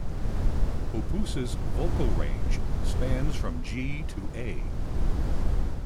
Hoppus's vocal range spans from G to A.